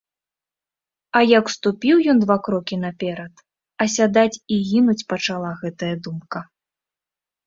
А як ступіў ён два крокі наперад, асядаць і гінуць пачала гэтая думка.